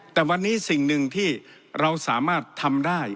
แต่วันนี้สิ่งหนึ่งที่เราสามารถทำได้